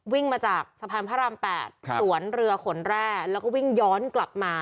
วิ่งมาจากสะพานพระราม๘สวนเรือขนแร่แล้วก็วิ่งย้อนกลับมา